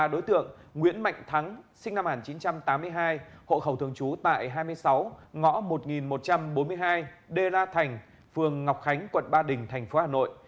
đối tượng nguyễn mạnh thắng sinh năm một nghìn chín trăm tám mươi hai hộ khẩu thường trú tại hai mươi sáu ngõ một nghìn một trăm bốn mươi hai dê la thành ask phường ngọc khánh huyện ba đình thành phố hà nội